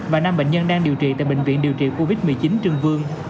và năm bệnh nhân đang điều trị tại bệnh viện điều trị covid một mươi chín trương vương